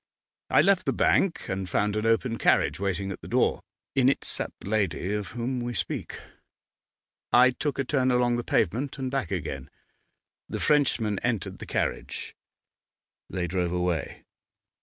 I left the bank, and found an open carriage waiting at the door. In it sat the lady of whom we speak. I took a turn along the pavement and back again. The Frenchman entered the carriage; they drove away.